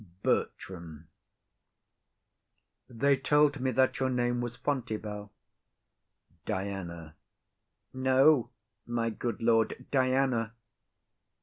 BERTRAM. They told me that your name was Fontybell. DIANA. No, my good lord, Diana.